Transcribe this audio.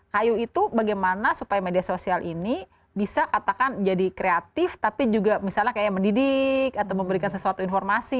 kayu itu bagaimana supaya media sosial ini bisa katakan jadi kreatif tapi juga misalnya kayak mendidik atau memberikan sesuatu informasi